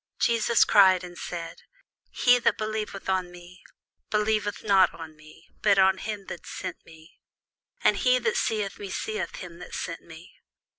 Jesus cried and said, He that believeth on me, believeth not on me, but on him that sent me. And he that seeth me seeth him that sent me.